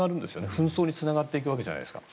紛争につながっていくわけじゃないですか。